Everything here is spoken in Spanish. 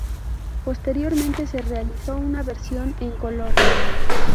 Posteriormente se realizó una versión en color.